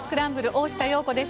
大下容子です。